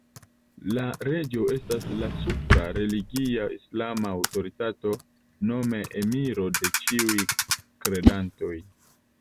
La reĝo estas la supra religia islama aŭtoritato, nome Emiro de ĉiuj kredantoj.